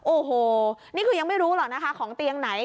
โอ้โหนี่คือยังไม่รู้หรอกนะคะของเตียงไหน